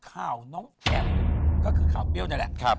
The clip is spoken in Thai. ข่าวน้องแอ๋มก็คือข่าวเปรี้ยวนี่แหละ